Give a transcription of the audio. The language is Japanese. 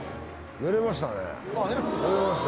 寝れました